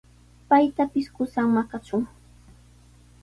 Paytapis qusan maqachun.